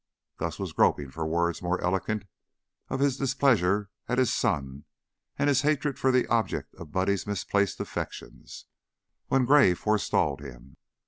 Gus was groping for words more eloquent of his displeasure at his son and his hatred for the object of Buddy's misplaced affections, when Gray forestalled him.